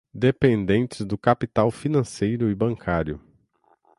dependentes do capital financeiro e bancário